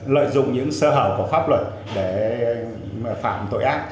lợi dụng những sơ hở của pháp luật để phạm tội ác